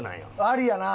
ありやな。